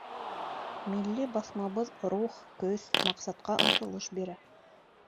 Милли баҫмабыҙ рух, көс, маҡсатҡа ынтылыш бирә.